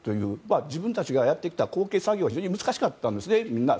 自分たちがやってきた後継作業は非常に難しかったんですね。